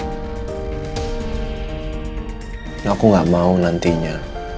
dan aku tidak mau nantinya